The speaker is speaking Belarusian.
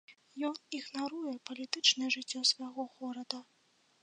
Ён ігнаруе палітычнае жыццё свайго горада.